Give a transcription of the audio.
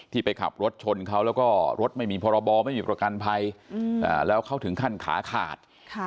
ไปขับรถชนเขาแล้วก็รถไม่มีพรบไม่มีประกันภัยแล้วเขาถึงขั้นขาขาด